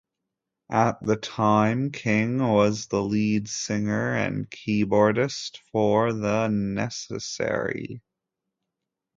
At the time King was the lead singer and keyboardist for The Necessary.